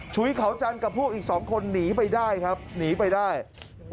ตอนนี้ก็ยิ่งแล้ว